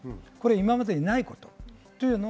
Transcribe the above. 今までにないことです。